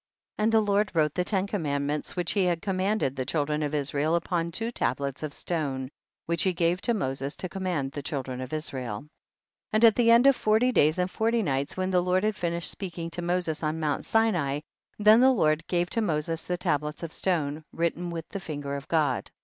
10. And the Lord wrote the ten commandments which he had com manded the children of Israel upon two tablets of stone, which he gave to Moses to command the children of Israel. 1 1 . And at the end of forty days 246 THE BOOK OF JASHER. and forty nights, when the Lord had finished speaking to Moses on mount Sinai, then the Lord gave to Moses the tablets of stone, written with the finger of God.